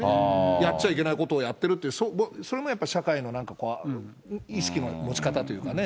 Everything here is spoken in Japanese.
やっちゃいけないことをやってるっていう、それもやっぱり社会の意識の持ち方というかね。